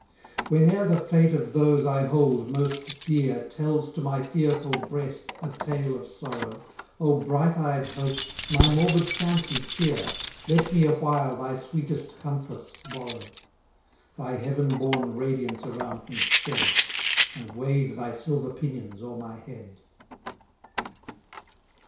Whene'er the fate of those I hold most dear Tells to my fearful breast a tale of sorrow, O bright eyed Hope, my morbid fancy cheer; Let me awhile thy sweetest comforts borrow: Thy heaven born radiance around me shed, And wave thy silver pinions o'er my head!